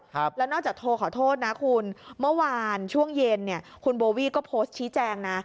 ครับแล้วนอกจากโทรขอโทษนะคุณเมื่อวานช่วงเย็นเนี่ยคุณโบวี่ก็โพสต์ชี้แจงนะ